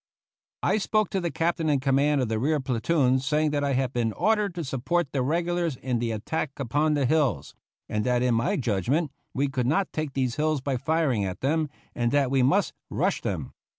I spoke to the captain in command of the rear platoons, saying that I had been ordered to support the regulars in the attack upon the hills, and that in my judgment we could not take these hills by firing at them, and that we must rush them.